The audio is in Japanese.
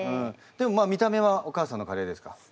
でもまあ見た目はお母さんのカレーですか？